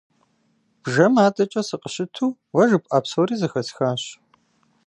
Бжэм адэкӀэ сыкъыщыту уэ жыпӀа псори зэхэсхащ.